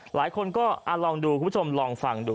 หลายคนก็ลองดูคุณผู้ชมลองฟังดู